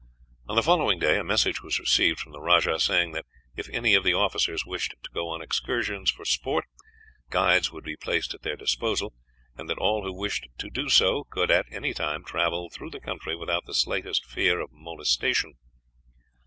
On the following day a message was received from the rajah, saying that if any of the officers wished to go on excursions for sport, guides would be placed at their disposal, and that all who wished to do so could at any time travel through the country without the slightest fear of molestation.